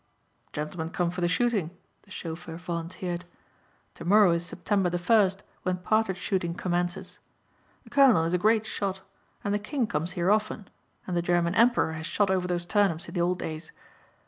"Gentlemen come for the shooting," the chauffeur volunteered. "Tomorrow is September the first when partridge shooting commences. The colonel is a great shot and the King comes here often and the German Emperor has shot over those turnips in the old days.